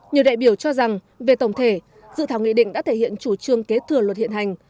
nhiều đại biểu cho rằng về tổng thể dự thảo nghị định đã thể hiện chủ trương kế thừa luật hiện hành